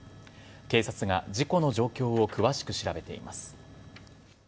警察が事故の状況を詳しく調べています。